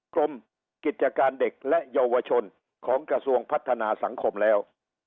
กรมกิจการเด็กและเยาวชนของกระทรวงพัฒนาสังคมแล้ว